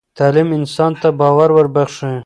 تعلیم انسان ته باور وربخښي.